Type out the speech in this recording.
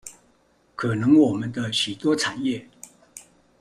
可能我們的許多產業